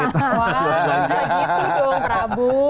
gitu dong prabu